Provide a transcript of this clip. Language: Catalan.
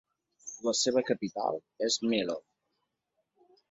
La seva capital és Melo.